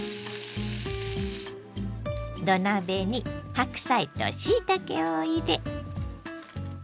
土鍋に白菜としいたけを入れ。